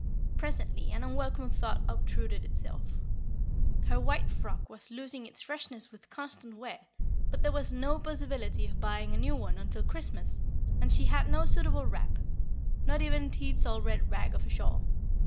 Presently an unwelcome thought obtruded itself. Her white frock was losing its freshness with constant wear, but there was no possibility of buying a new one until Christmas, and she had no suitable wrap not even "Tid's old red rag of a shawl."